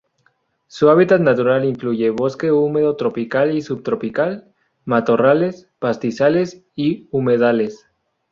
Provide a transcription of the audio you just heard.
Su hábitat natural incluye bosque húmedo tropical y subtropical, matorrales, pastizales y humedales.